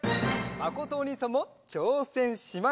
まことおにいさんもちょうせんしました。